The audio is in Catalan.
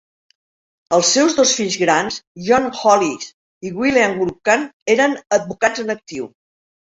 Els seus dos fills grans, John Hollis i William Brockman, eren advocats en actiu.